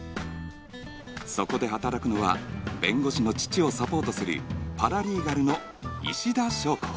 そこで働くのは弁護士の父をサポートするパラリーガルの石田硝子